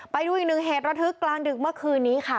ไปดูอีกหนึ่งเหตุระทึกกลางดึกเมื่อคืนนี้ค่ะ